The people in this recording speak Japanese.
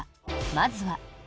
まずは。